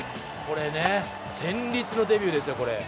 「これね戦慄のデビューですよこれ」